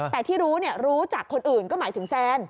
แต่ที่รู้รู้จากคนอื่นก็หมายถึงแซน